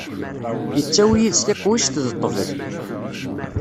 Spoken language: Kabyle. Yettawi yid-s tiqwijt d ṭṭbel.